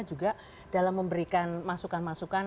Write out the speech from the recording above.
juga dalam memberikan masukan masukan